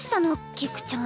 菊ちゃん。